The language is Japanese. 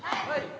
はい！